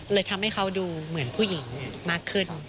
เลยทำให้เขาดูเหมือนผู้หญิงมากขึ้น